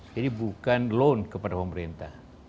jadi bukan loan kepada pemerintah